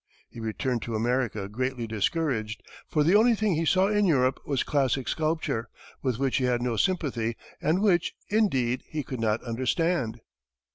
He returned to America greatly discouraged, for the only thing he saw in Europe was classic sculpture, with which he had no sympathy and which, indeed, he could not understand.